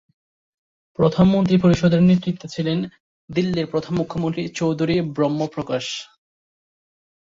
প্রথম মন্ত্রিপরিষদের নেতৃত্বে ছিলেন দিল্লির প্রথম মুখ্যমন্ত্রী চৌধুরী ব্রহ্ম প্রকাশ।